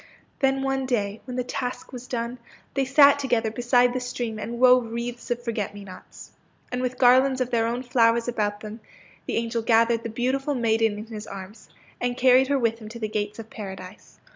Then one day, when the task was done, they sat together beside the stream and wove wreaths of forget me nots. And with garlands of their own flowers about them, the angel gathered the beautiful maiden in his arms and carried her with him to the gates of Paradise.